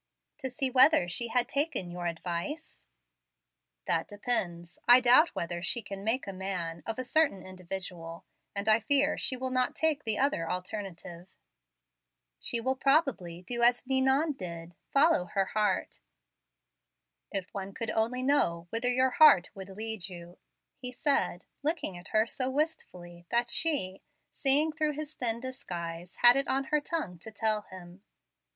"To see whether she had taken your advice?" "That depends. I doubt whether she can 'make a man' of a certain individual, and I fear she will not take the other alternative." "She will probably do as Ninon did, follow her heart." "If one could only know whither your heart would lead you!" he said, looking at her so wistfully that she, seeing through his thin disguise, had it on her tongue to tell him.